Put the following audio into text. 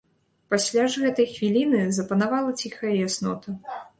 Пасля ж гэтай хвіліны запанавала ціхая яснота.